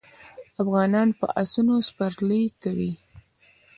افغانان په اسونو سپرلي کوي.